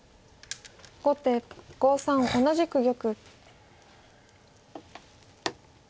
後手５三同じく玉。